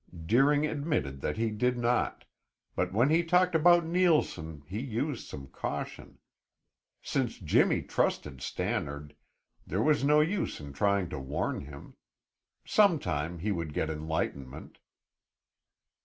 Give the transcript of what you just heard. Deering admitted that he did not, but when he talked about Neilson he used some caution. Since Jimmy trusted Stannard, there was no use in trying to warn him; some time he would get enlightenment.